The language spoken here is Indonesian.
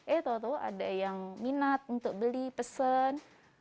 eh tau tau ada yang minat untuk beli pesen